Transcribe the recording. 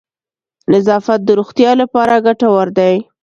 نظافت د روغتیا لپاره گټور دی.